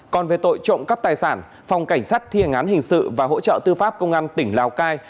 còn về tội trộm cắp tài sản phòng cảnh sát thi hành án hình sự và hỗ trợ tư pháp công an tỉnh lào cai